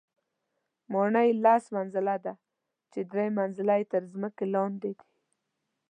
ماڼۍ یې لس منزله ده چې درې منزله یې تر ځمکې لاندې دي.